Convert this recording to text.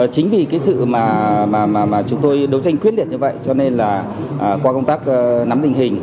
chính vì sự đấu tranh quyết liệt như vậy qua công tác nắm tình hình